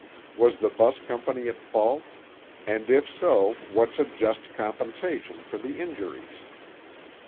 was the bus company at fault, and if so what's a just compensation for the injuries?